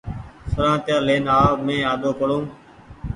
سرآتييآ لين آو مينٚ آڏو پڙون